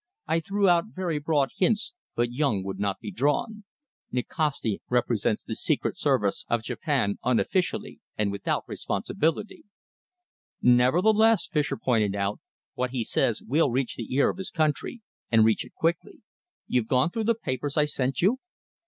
I threw out very broad hints, but Yung would not be drawn. Nikasti represents the Secret Service of Japan, unofficially and without responsibility." "Nevertheless," Fischer pointed out, "what he says will reach the ear of his country, and reach it quickly. You've gone through the papers I sent you?"